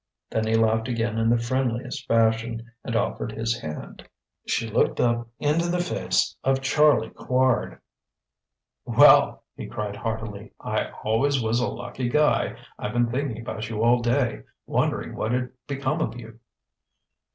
Then he laughed again in the friendliest fashion, and offered his hand. She looked up into the face of Charlie Quard. "Well!" he cried heartily, "I always was a lucky guy! I've been thinking about you all day wondering what'd become of you."